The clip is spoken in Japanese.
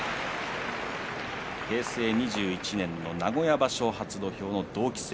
平成２１年の名古屋場所初土俵の同期生。